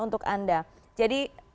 untuk anda jadi